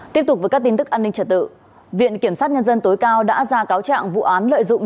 tiếp tục với các tin tức an ninh trật tự viện kiểm sát nhân dân tối cao đã ra cáo trạng vụ án lợi dụng